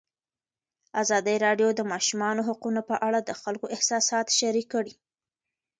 ازادي راډیو د د ماشومانو حقونه په اړه د خلکو احساسات شریک کړي.